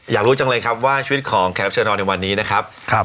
อยากรู้จังเลยครับว่าชีวิตของแขกรับเชิญนอนในวันนี้นะครับ